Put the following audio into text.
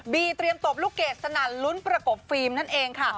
เตรียมตบลูกเกดสนั่นลุ้นประกบฟิล์มนั่นเองค่ะ